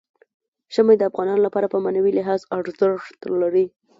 ژمی د افغانانو لپاره په معنوي لحاظ ارزښت لري.